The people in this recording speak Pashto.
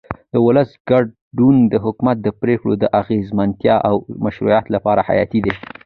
د ولس ګډون د حکومت د پرېکړو د اغیزمنتیا او مشروعیت لپاره حیاتي دی